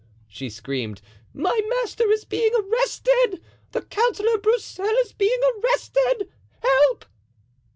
she screamed, "my master is being arrested; the Councillor Broussel is being arrested! Help!"